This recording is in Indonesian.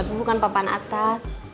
tapi bukan papan atas